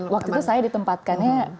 waktu itu saya ditempatkannya